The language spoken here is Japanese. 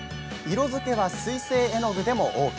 色づけは水性絵の具でもＯＫ。